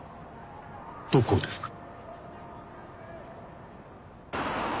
どこですか？